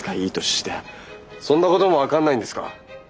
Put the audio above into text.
いい年してそんなことも分かんないんですか。